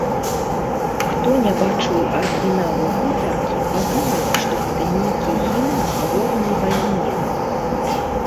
Хто не бачыў арыгіналу гутаркі, падумае, што гэта нейкі гімн халоднай вайне.